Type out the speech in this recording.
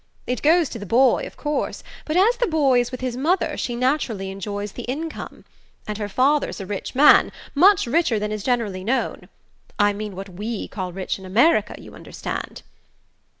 It goes to the boy, of course; but as the boy is with his mother she naturally enjoys the income. And her father's a rich man much richer than is generally known; I mean what WE call rich in America, you understand!"